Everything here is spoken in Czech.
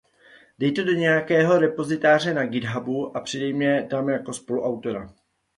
Dej to do nějakého repozitáře na GitHubu a přidej mě tam jako spoluautora.